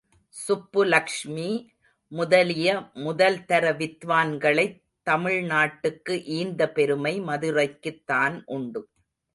சுப்புலக்ஷ்மி முதலிய முதல்தர வித்வான்களைத் தமிழ் நாட்டுக்கு ஈந்த பெருமை மதுரைக்குத் தான் உண்டு.